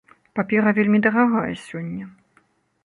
Папера вельмі дарагая сёння.